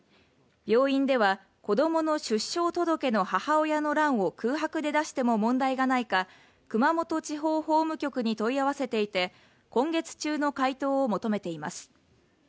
病院では子供の出生届の母親の欄を空白で出しても問題がないか熊本地方法務局に問い合わせていて、今月中の回答を求めています。